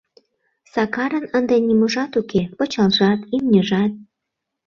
Сакарын ынде ниможат уке: пычалжат, имньыжат...